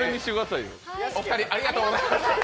お二人、ありがとうございました。